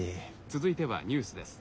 「続いてはニュースです。